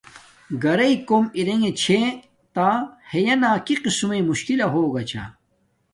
گارݵ کوم دیگے چھے تہ ہیانا کی قسم مݵ مشکیل ہوگا چھا۔